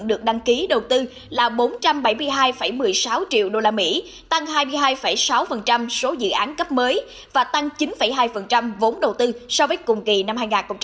được đăng ký đầu tư là bốn trăm bảy mươi hai một mươi sáu triệu usd tăng hai mươi hai sáu số dự án cấp mới và tăng chín hai vốn đầu tư so với cùng kỳ năm hai nghìn một mươi chín